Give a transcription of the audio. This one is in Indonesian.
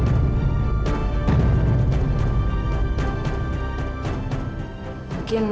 maksudnya ibu irma yang hilang itu